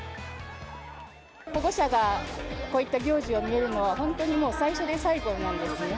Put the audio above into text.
保護者がこういった行事を見るのは本当にもう、最初で最後なんですね。